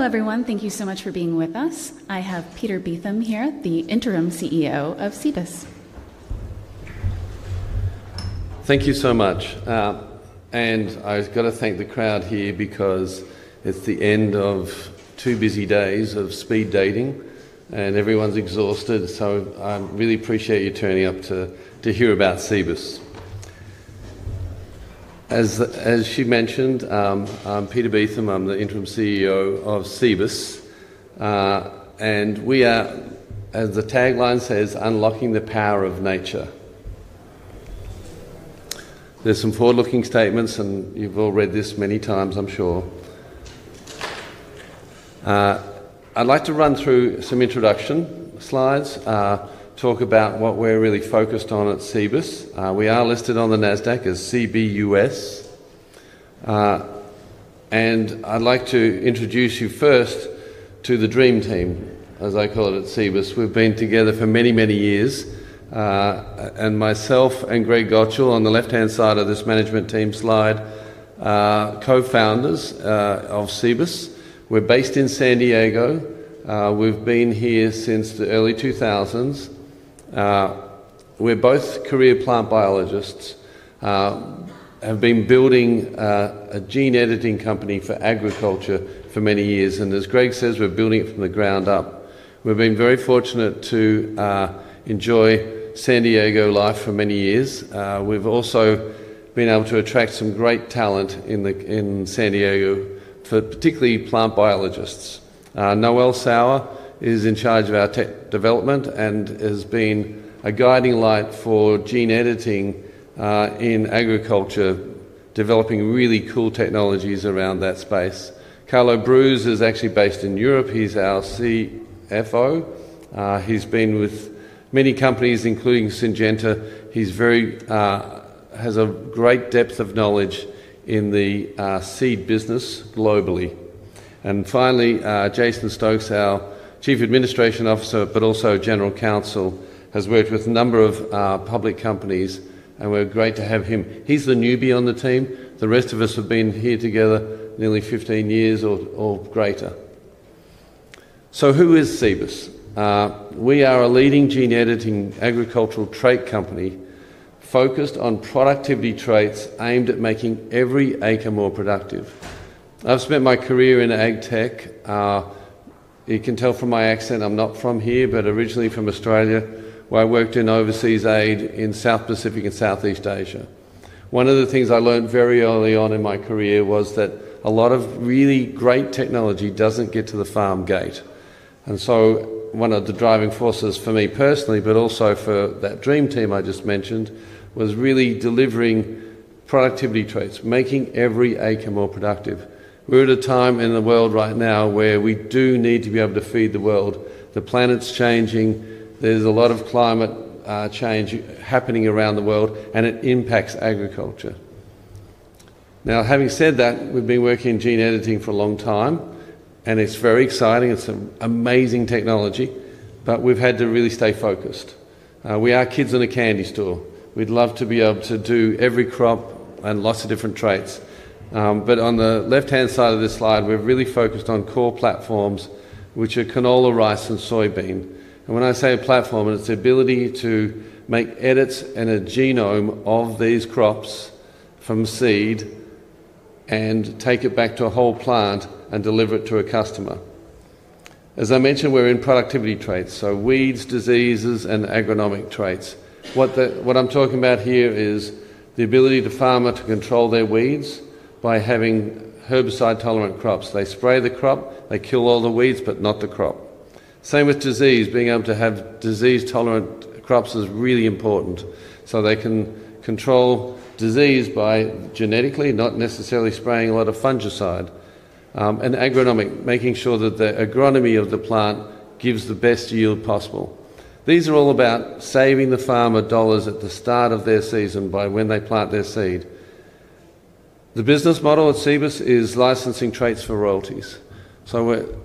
Hello everyone, thank you so much for being with us. I have Peter Beetham here, the Interim CEO of Cibus. Thank you so much. I've got to thank the crowd here because it's the end of two busy days of speed dating, and everyone's exhausted. I really appreciate you turning up to hear about Cibus. As she mentioned, I'm Peter Beetham, I'm the Interim CEO of Cibus. We are, as the tagline says, unlocking the power of nature. There are some forward-looking statements, and you've all read this many times, I'm sure. I'd like to run through some introduction slides, talk about what we're really focused on at Cibus. We are listed on the NASDAQ as CBUS. I'd like to introduce you first to the dream team, as I call it at Cibus. We've been together for many, many years. Myself and Greg Gocal on the left-hand side of this management team slide, co-founders of Cibus. We're based in San Diego. We've been here since the early 2000s. We're both career plant biologists, have been building a gene editing company for agriculture for many years. As Greg says, we're building it from the ground up. We've been very fortunate to enjoy San Diego life for many years. We've also been able to attract some great talent in San Diego, particularly plant biologists. Noel Sauer is in charge of our tech development and has been a guiding light for gene editing in agriculture, developing really cool technologies around that space. Carlo Broos is actually based in Europe. He's our CFO. He's been with many companies, including Syngenta. He has a great depth of knowledge in the seed business globally. Finally, Jason Stokes, our Chief Administration Officer, but also General Counsel, has worked with a number of public companies, and we're great to have him. He's the newbie on the team. The rest of us have been here together nearly 15 years or greater. Who is Cibus? We are a leading gene editing agricultural trait company focused on productivity traits aimed at making every acre more productive. I've spent my career in ag tech. You can tell from my accent I'm not from here, but originally from Australia, where I worked in overseas aid in South Pacific and Southeast Asia. One of the things I learned very early on in my career was that a lot of really great technology doesn't get to the farm gate. One of the driving forces for me personally, but also for that dream team I just mentioned, was really delivering productivity traits, making every acre more productive. We're at a time in the world right now where we do need to be able to feed the world. The planet's changing. There's a lot of climate change happening around the world, and it impacts agriculture. Now, having said that, we've been working in gene editing for a long time, and it's very exciting. It's an amazing technology, but we've had to really stay focused. We are kids in a candy store. We'd love to be able to do every crop and lots of different traits. On the left-hand side of this slide, we're really focused on core platforms, which are canola, rice, and soybean. When I say a platform, it's the ability to make edits in a genome of these crops from seed and take it back to a whole plant and deliver it to a customer. As I mentioned, we're in productivity traits, so weeds, diseases, and agronomic traits. What I'm talking about here is the ability of a farmer to control their weeds by having herbicide-tolerant crops. They spray the crop, they kill all the weeds, but not the crop. Same with disease. Being able to have disease-tolerant crops is really important. They can control disease genetically, not necessarily spraying a lot of fungicide. Agronomic, making sure that the agronomy of the plant gives the best yield possible. These are all about saving the farmer dollars at the start of their season by when they plant their seed. The business model at Cibus is licensing traits for royalties.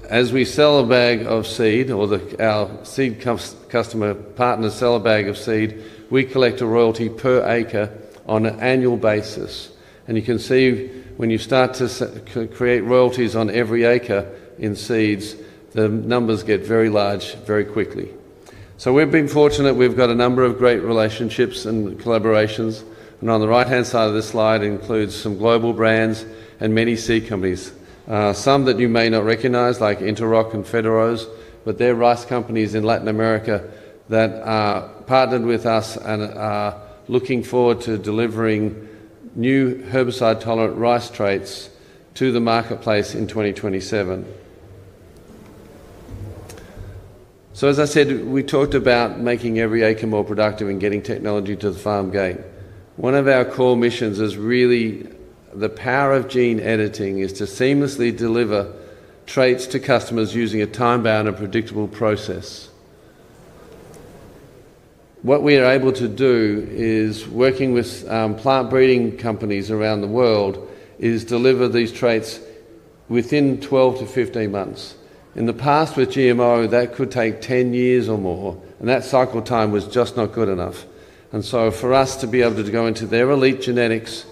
As we sell a bag of seed or our seed customer partners sell a bag of seed, we collect a royalty per acre on an annual basis. You can see when you start to create royalties on every acre in seeds, the numbers get very large very quickly. We've been fortunate. We've got a number of great relationships and collaborations. On the right-hand side of this slide, it includes some global brands and many seed companies, some that you may not recognize, like Interroc and Federos, but they're rice companies in Latin America that are partnered with us and are looking forward to delivering new herbicide-tolerant rice traits to the marketplace in 2027. We talked about making every acre more productive and getting technology to the farm gate. One of our core missions is really the power of gene editing to seamlessly deliver traits to customers using a time-bound and predictable process. What we are able to do is working with plant breeding companies around the world to deliver these traits within 12 to 15 months. In the past, with GMO, that could take 10 years or more, and that cycle time was just not good enough. For us to be able to go into their elite genetics,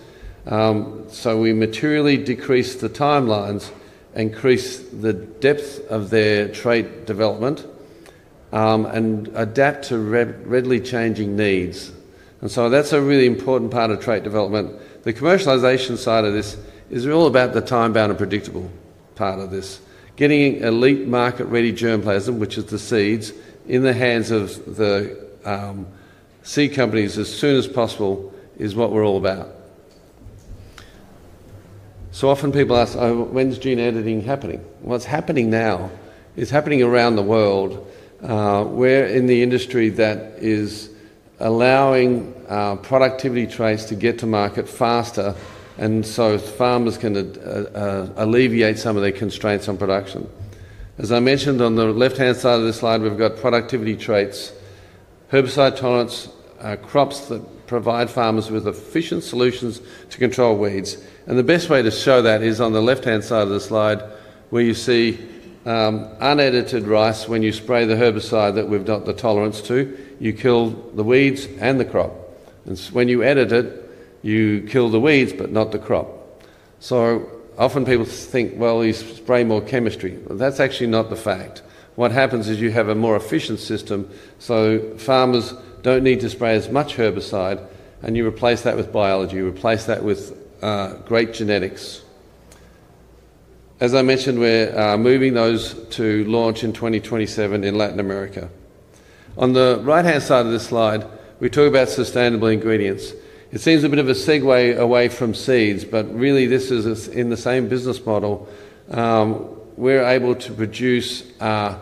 we materially decrease the timelines and increase the depth of their trait development and adapt to readily changing needs. That's a really important part of trait development. The commercialization side of this is all about the time-bound and predictable part of this. Getting elite market-ready germplasm, which is the seeds, in the hands of the seed companies as soon as possible is what we're all about. Often people ask, when's gene editing happening? It's happening now. It's happening around the world. We're in the industry that is allowing productivity traits to get to market faster, so farmers can alleviate some of their constraints on production. As I mentioned, on the left-hand side of this slide, we've got productivity traits, herbicide tolerance, crops that provide farmers with efficient solutions to control weeds. The best way to show that is on the left-hand side of the slide, where you see unedited rice. When you spray the herbicide that we've got the tolerance to, you kill the weeds and the crop. When you edit it, you kill the weeds, but not the crop. Often people think you spray more chemistry. That's actually not the fact. What happens is you have a more efficient system, so farmers don't need to spray as much herbicide, and you replace that with biology. You replace that with great genetics. As I mentioned, we're moving those to launch in 2027 in Latin America. On the right-hand side of this slide, we talk about sustainable ingredients. It seems a bit of a segue away from seeds, but really this is in the same business model. We're able to produce a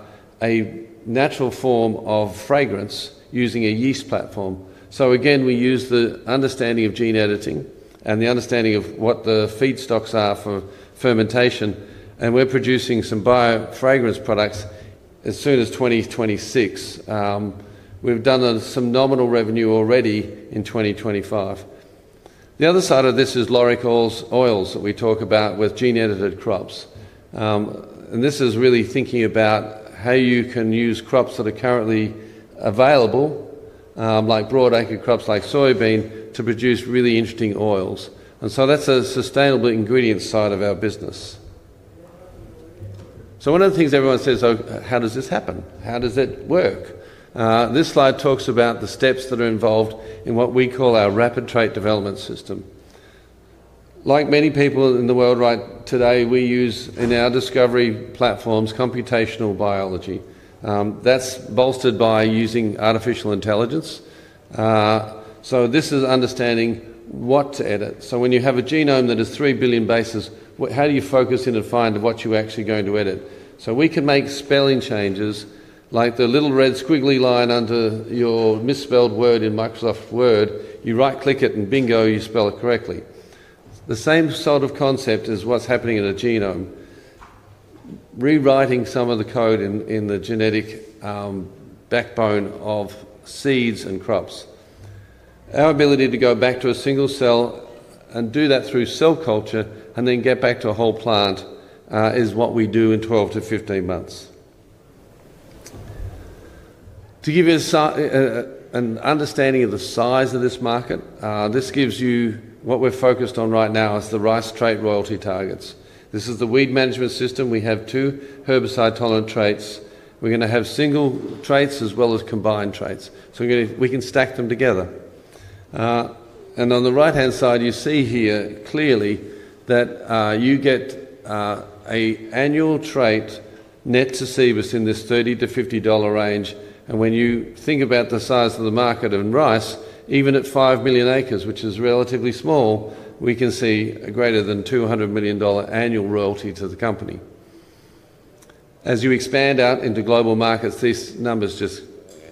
natural form of fragrance using a yeast platform. Again, we use the understanding of gene editing and the understanding of what the feedstocks are for fermentation, and we're producing some bio-based fermentation Biofragrance products as soon as 2026. We've done some nominal revenue already in 2025. The other side of this is gene-edited oils that we talk about with gene-edited crops. This is really thinking about how you can use crops that are currently available, like broad-acre crops like soybean, to produce really interesting oils. That's a sustainable ingredients side of our business. One of the things everyone says, how does this happen? How does it work? This slide talks about the steps that are involved in what we call our Rapid Trait Development System. Like many people in the world right today, we use in our discovery platforms computational biology. That's bolstered by using artificial intelligence. This is understanding what to edit. When you have a genome that is 3 billion bases, how do you focus in and find what you're actually going to edit? We can make spelling changes, like the little red squiggly line under your misspelled word in Microsoft Word. You right-click it and bingo, you spell it correctly. The same sort of concept is what's happening in a genome, rewriting some of the code in the genetic backbone of seeds and crops. Our ability to go back to a single cell and do that through cell culture and then get back to a whole plant is what we do in 12-15 months. To give you an understanding of the size of this market, this gives you what we're focused on right now as the rice trait royalty targets. This is the Weed Management System. We have two herbicide-tolerant traits. We're going to have single traits as well as combined traits. We can stack them together. On the right-hand side, you see here clearly that you get an annual trait net to Cibus in this $30 to $50 range. When you think about the size of the market in rice, even at 5 million acres, which is relatively small, we can see a greater than $200 million annual royalty to the company. As you expand out into global markets, these numbers just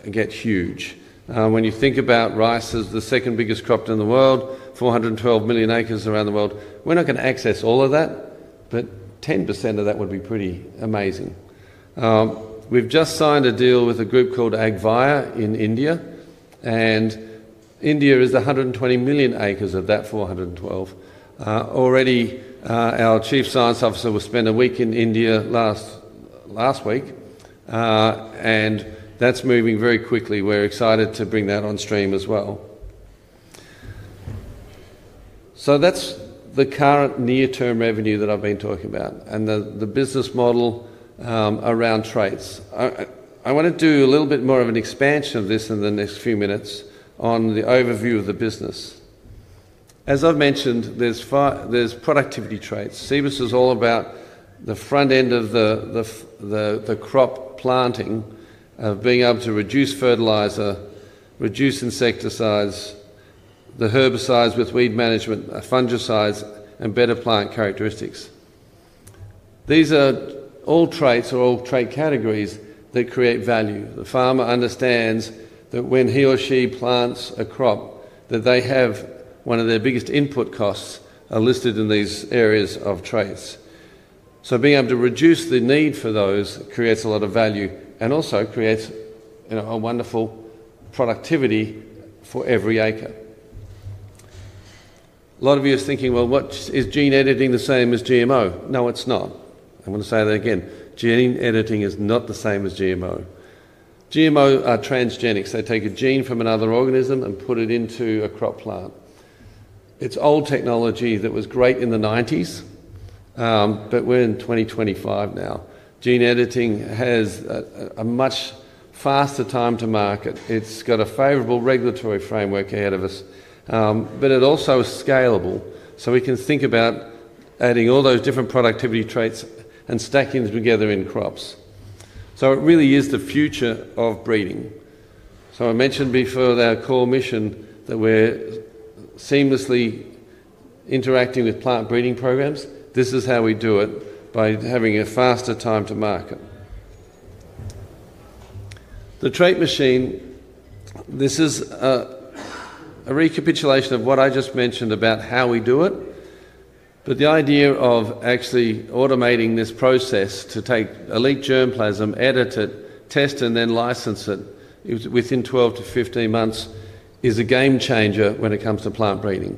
get huge. When you think about rice as the second biggest crop in the world, 412 million acres around the world, we're not going to access all of that, but 10% of that would be pretty amazing. We've just signed a deal with a group called AgVia in India, and India is 120 million acres of that 412. Already, our Chief Science Officer spent a week in India last week, and that's moving very quickly. We're excited to bring that on stream as well. That's the current near-term revenue that I've been talking about and the business model around traits. I want to do a little bit more of an expansion of this in the next few minutes on the overview of the business. As I've mentioned, there's productivity traits. Cibus is all about the front end of the crop planting, being able to reduce fertilizer, reduce insecticides, the herbicides with Weed Management, fungicides, and better plant characteristics. These are all traits or all trait categories that create value. The farmer understands that when he or she plants a crop, that one of their biggest input costs is listed in these areas of traits. Being able to reduce the need for those creates a lot of value and also creates a wonderful productivity for every acre. A lot of you are thinking, is gene editing the same as GMO? No, it's not. I'm going to say that again. Gene editing is not the same as GMO. GMO are transgenics. They take a gene from another organism and put it into a crop plant. It's old technology that was great in the 1990s, but we're in 2025 now. Gene editing has a much faster time to market. It's got a favorable regulatory framework ahead of us, but it also is scalable. We can think about adding all those different productivity traits and stacking them together in crops. It really is the future of breeding. I mentioned before our core mission that we're seamlessly interacting with plant breeding programs. This is how we do it, by having a faster time to market. The Trait Machine, this is a recapitulation of what I just mentioned about how we do it. The idea of actually automating this process to take elite germplasm, edit it, test, and then license it within 12-15 months is a game changer when it comes to plant breeding.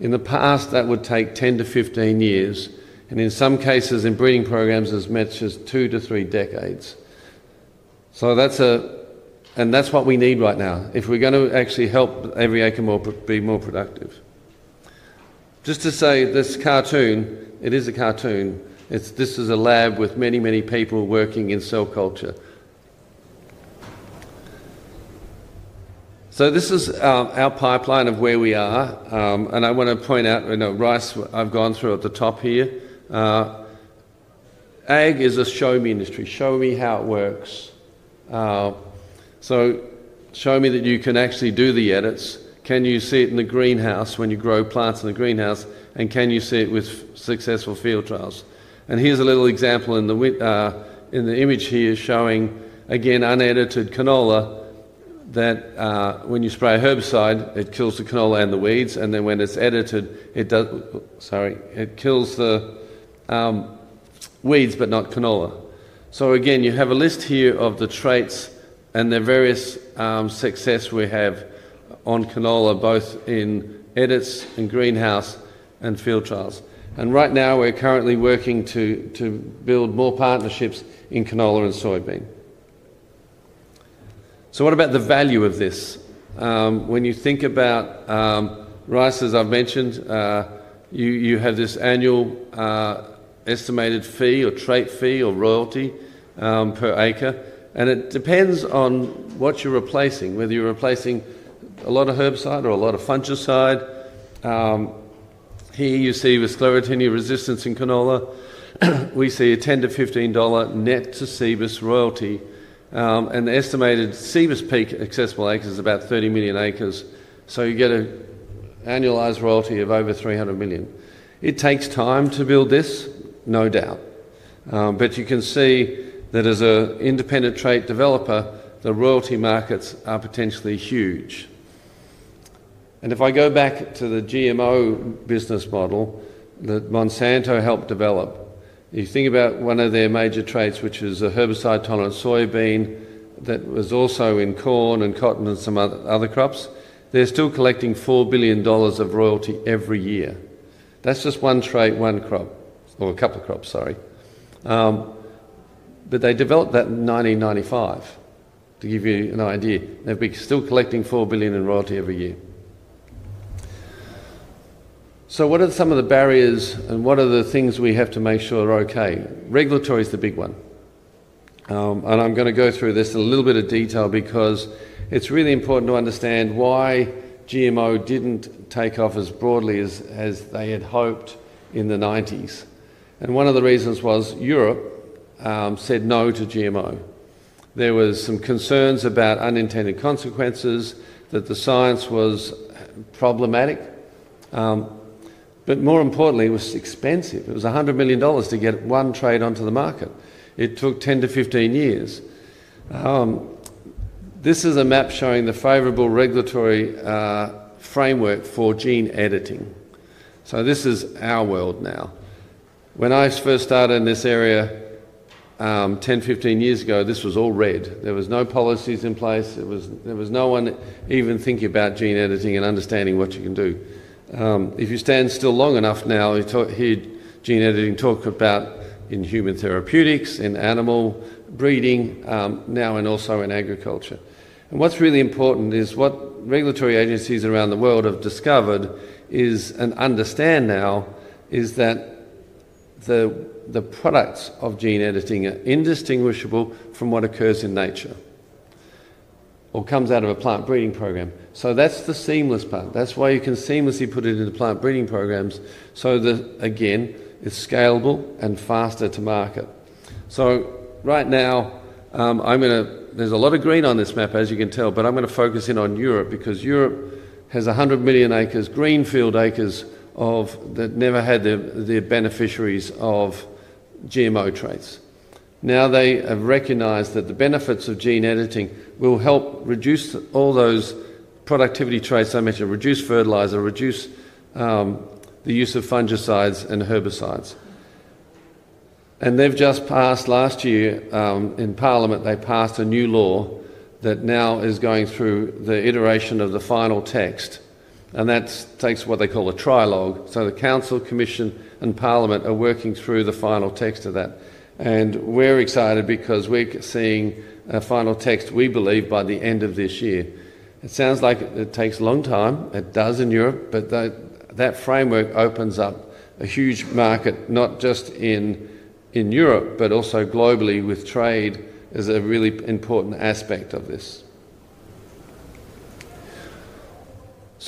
In the past, that would take 10-15 years, and in some cases in breeding programs, it's as much as two to three decades. That's what we need right now if we're going to actually help every acre be more productive. Just to say this cartoon, it is a cartoon. This is a lab with many, many people working in cell culture. This is our pipeline of where we are. I want to point out rice, I've gone through at the top here. Ag is a show me industry. Show me how it works. Show me that you can actually do the edits. Can you see it in the greenhouse when you grow plants in the greenhouse? Can you see it with successful field trials? Here's a little example in the image here showing, again, unedited canola that when you spray herbicide, it kills the canola and the weeds. When it's edited, it kills the weeds, but not canola. You have a list here of the traits and the various success we have on canola, both in edits and greenhouse and field trials. Right now, we're currently working to build more partnerships in canola and soybean. What about the value of this? When you think about rice, as I've mentioned, you have this annual estimated fee or trait fee or royalty per acre. It depends on what you're replacing, whether you're replacing a lot of herbicide or a lot of fungicide. Here you see with Sclerotinia Resistance in canola, we see a $10-$15 net to Cibus royalty. The estimated Cibus peak accessible acres is about 30 million acres, so you get an annualized royalty of over $300 million. It takes time to build this, no doubt, but you can see that as an independent trait developer, the royalty markets are potentially huge. If I go back to the GMO business model that Monsanto helped develop, if you think about one of their major traits, which is a herbicide-tolerant soybean that was also in corn and cotton and some other crops, they're still collecting $4 billion of royalty every year. That's just one trait, one crop, or a couple of crops, sorry. They developed that in 1995, to give you an idea. They'll be still collecting $4 billion in royalty every year. What are some of the barriers and what are the things we have to make sure are OK? Regulatory is the big one. I'm going to go through this in a little bit of detail because it's really important to understand why GMO didn't take off as broadly as they had hoped in the 1990s. One of the reasons was Europe said no to GMO. There were some concerns about unintended consequences, that the science was problematic. More importantly, it was expensive. It was $100 million to get one trait onto the market. It took 10-15 years. This is a map showing the favorable regulatory framework for gene editing. This is our world now. When I first started in this area 10-15 years ago, this was all red. There were no policies in place. There was no one even thinking about gene editing and understanding what you can do. If you stand still long enough now, you've heard gene editing talked about in human therapeutics, in animal breeding now, and also in agriculture. What's really important is what regulatory agencies around the world have discovered and understand now is that the products of gene editing are indistinguishable from what occurs in nature or comes out of a plant breeding program. That's the seamless part. That's why you can seamlessly put it into plant breeding programs so that, again, it's scalable and faster to market. Right now, there's a lot of green on this map, as you can tell. I'm going to focus in on Europe because Europe has 100 million acres, greenfield acres that never had the beneficiaries of GMO traits. Now they have recognized that the benefits of gene editing will help reduce all those productivity traits I mentioned, reduce fertilizer, reduce the use of fungicides and herbicides. They just passed last year in Parliament, they passed a new law that now is going through the iteration of the final text. That takes what they call a trilogue. The Council, Commission, and Parliament are working through the final text of that. We're excited because we're seeing a final text, we believe, by the end of this year. It sounds like it takes a long time. It does in Europe, but that framework opens up a huge market, not just in Europe, but also globally with trade as a really important aspect of this.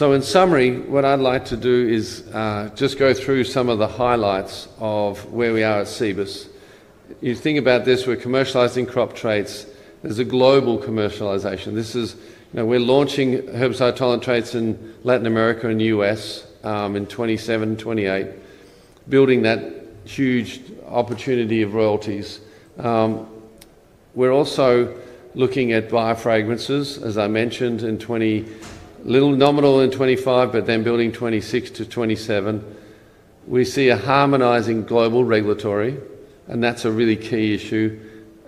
In summary, what I'd like to do is just go through some of the highlights of where we are at Cibus. You think about this. We're commercializing crop traits. There's a global commercialization. We're launching herbicide-tolerant traits in Latin America and the U.S. in 2027 and 2028, building that huge opportunity of royalties. We're also looking at bio-based fermentation Biofragrance products, as I mentioned, a little nominal in 2025, but then building 2026 to 2027. We see a harmonizing global regulatory, and that's a really key issue.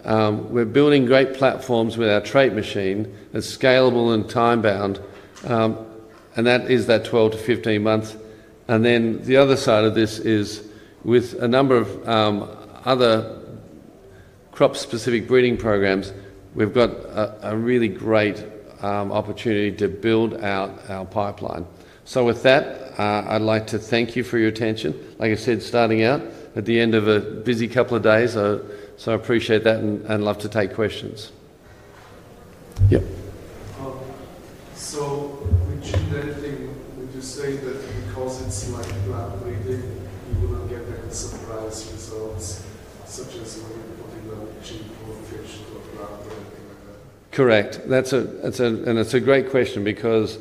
We're building great platforms with our Trait Machine that's scalable and time-bound. That is that 12-15 months. The other side of this is with a number of other crop-specific breeding programs, we've got a really great opportunity to build out our pipeline. With that, I'd like to thank you for your attention. Like I said, starting out at the end of a busy couple of days, so I appreciate that and love to take questions. Yeah. With gene editing, would you say that because it's like plant breeding, you will not get the surprise results such as when you're putting them in chicken or fish or plant or anything like that? Correct. That's a great question because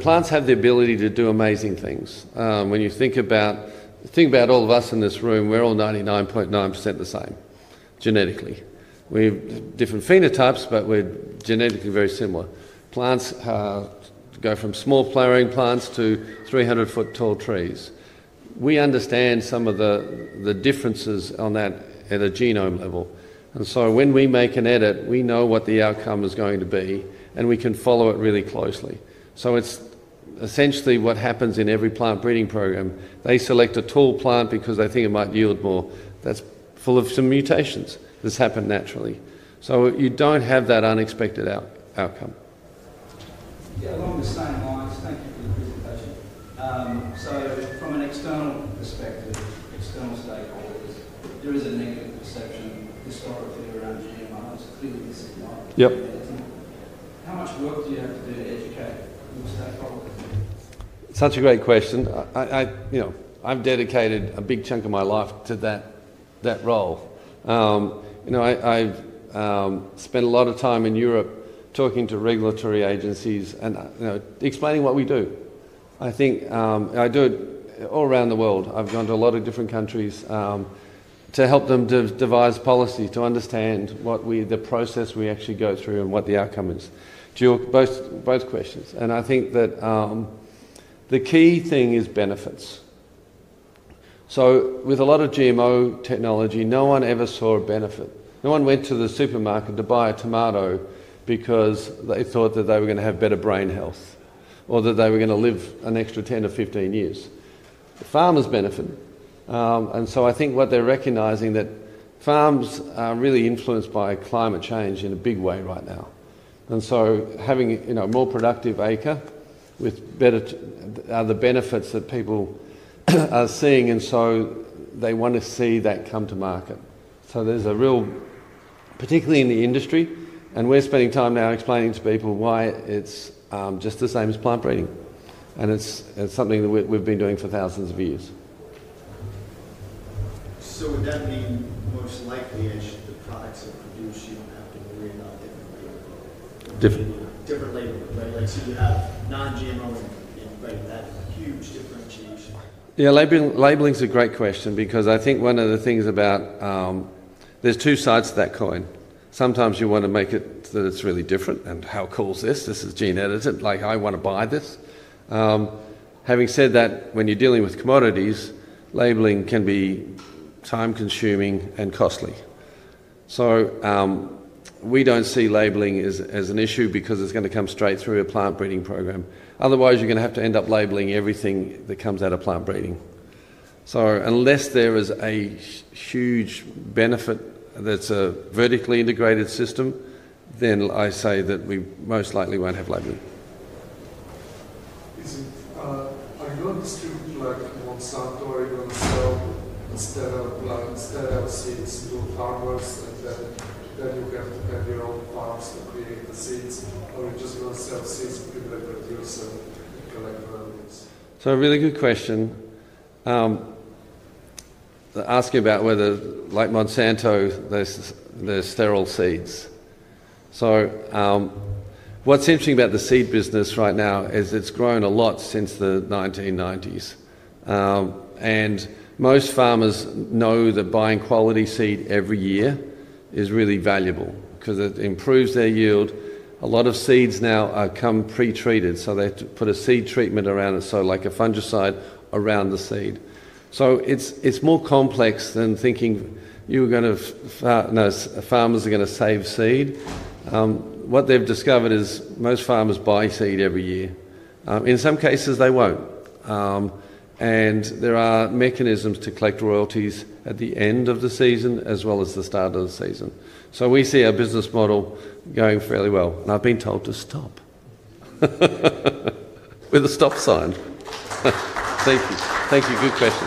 plants have the ability to do amazing things. When you think about all of us in this room, we're all 99.9% the same genetically. We have different phenotypes, but we're genetically very similar. Plants go from small flowering plants to 300-foot tall trees. We understand some of the differences on that at a genome level. When we make an edit, we know what the outcome is going to be, and we can follow it really closely. It's essentially what happens in every plant breeding program. They select a tall plant because they think it might yield more. That's full of some mutations. This happened naturally, so you don't have that unexpected outcome. Yeah, along the same lines, thank you for the presentation. From an external perspective, external stakeholders, there is a negative perception historically around GMO. It's clearly missing a lot. Yeah. How much work do you have to do to educate your stakeholders? Such a great question. I've dedicated a big chunk of my life to that role. I've spent a lot of time in Europe talking to regulatory agencies and explaining what we do. I think I do it all around the world. I've gone to a lot of different countries to help them devise policy to understand the process we actually go through and what the outcome is. To your both questions, I think that the key thing is benefits. With a lot of GMO technology, no one ever saw a benefit. No one went to the supermarket to buy a tomato because they thought that they were going to have better brain health or that they were going to live an extra 10-15 years. The farmers benefited. I think what they're recognizing is that farms are really influenced by climate change in a big way right now. Having a more productive acre are the benefits that people are seeing, and they want to see that come to market. There's a real, particularly in the industry, and we're spending time now explaining to people why it's just the same as plant breeding. It's something that we've been doing for thousands of years. Would that mean most likely as the products are produced, you don't have to worry about different labeling? Different. Different labeling, right? You have non-GMO, but that huge differentiation. Yeah, labeling is a great question because I think one of the things about there's two sides to that coin. Sometimes you want to make it so that it's really different and how cool is this. This is gene edited. Like I want to buy this. Having said that, when you're dealing with commodities, labeling can be time-consuming and costly. We don't see labeling as an issue because it's going to come straight through a plant breeding program. Otherwise, you're going to have to end up labeling everything that comes out of plant breeding. Unless there is a huge benefit that's a vertically integrated system, then I say that we most likely won't have labeling. I know the street like Monsanto are going to sell instead of seeds to farmers, and then you have to pay your own farms to create the seeds, or you're just going to sell seeds to people that produce and collect royalties? That's a really good question. I'll ask you about whether, like Monsanto, they're sterile seeds. What's interesting about the seed business right now is it's grown a lot since the 1990s. Most farmers know that buying quality seed every year is really valuable because it improves their yield. A lot of seeds now come pre-treated, so they put a seed treatment around it, like a fungicide around the seed. It's more complex than thinking farmers are going to save seed. What they've discovered is most farmers buy seed every year. In some cases, they won't, and there are mechanisms to collect royalties at the end of the season as well as the start of the season. We see our business model going fairly well. I've been told to stop with a stop sign. Thank you. Thank you. Good question.